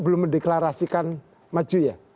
belum mendeklarasikan maju ya